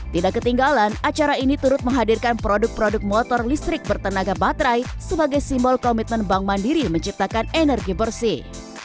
tidak ketinggalan acara ini turut menghadirkan produk produk motor listrik bertenaga baterai sebagai simbol komitmen bank mandiri menciptakan energi bersih